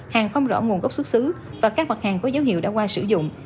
hàng không rõ nguồn gốc xuất xứ và các mặt hàng có dấu hiệu đã qua sử dụng